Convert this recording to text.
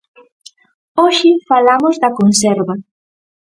Hoxe falamos da conserva.